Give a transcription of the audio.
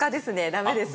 ダメです。